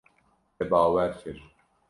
Te bawer kir.